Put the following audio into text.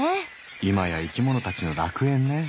いまや生きものたちの楽園ね。